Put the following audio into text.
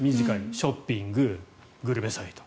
ショッピング、グルメサイト。